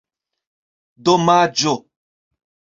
domaĝo